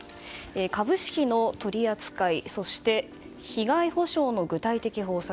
株式の取り扱いそして、被害補償の具体的方策